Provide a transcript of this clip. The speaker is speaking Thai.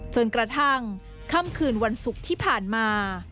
จนกระทั่งค่ำคืนวันศุกร์ที่ผ่านมา